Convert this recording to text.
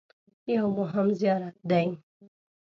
یو مهم زیارت دی.